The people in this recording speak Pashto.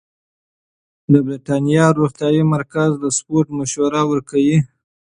د بریتانیا روغتیايي مرکز سپورت مشوره ورکوي.